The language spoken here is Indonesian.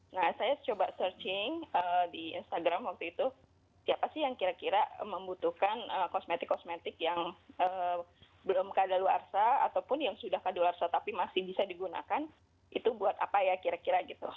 nah saya coba searching di instagram waktu itu siapa sih yang kira kira membutuhkan kosmetik kosmetik yang belum kadaluarsa ataupun yang sudah kaduluarsa tapi masih bisa digunakan itu buat apa ya kira kira gitu